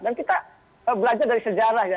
dan kita belajar dari sejarah ya